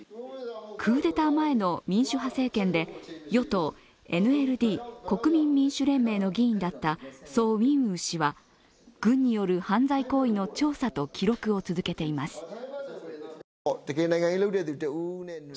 クーデター前の民主派政権で与党ＮＬＤ＝国民民主連盟の議員だったソー・ウィン・ウー氏は軍による犯罪行為の調査と記録を続けています。